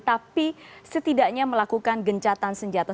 tapi setidaknya melakukan gencatan senjata